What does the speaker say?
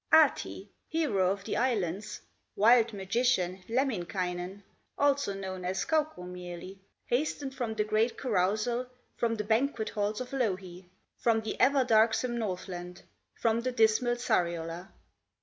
Ahti, hero of the Islands, Wild magician, Lemminkainen, Also known as Kaukomieli, Hastened from the great carousal, From the banquet halls of Louhi, From the ever darksome Northland, From the dismal Sariola.